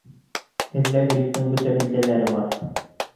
Һеҙҙә гриптың бөтә билдәләре бар